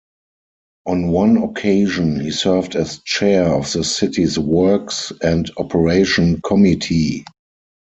On one occasion, he served as Chair of the city's Works and Operation Committee.